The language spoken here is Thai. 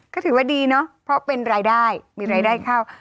ก็ถือว่าดีเนาะเพราะเป็นรายได้มีรายได้เข้า